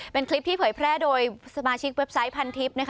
เป็นคลิปที่เผยแพร่โดยสมาชิกเว็บไซต์พันทิพย์นะคะ